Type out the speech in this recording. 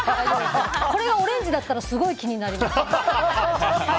これがオレンジだったらすごい気になります。